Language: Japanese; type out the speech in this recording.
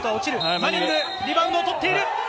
マニング、リバウンドを取っている。